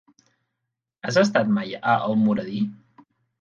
Has estat mai a Almoradí?